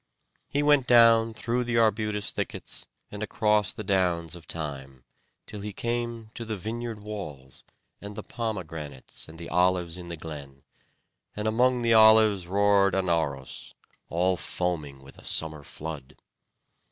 He went down through the arbutus thickets, and across the downs of thyme, till he came to the vineyard walls, and the pomegranates and the olives in the glen; and among the olives roared Anauros, all foaming with a summer flood.